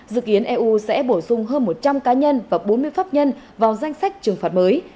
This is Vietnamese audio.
dự kiến eu sẽ bổ sung hơn một trăm linh cá nhân và bốn mươi pháp nhân vào danh sách trừng phạt mới